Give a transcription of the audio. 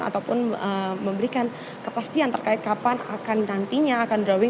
ataupun memberikan kepastian terkait kapan akan nantinya akan drawing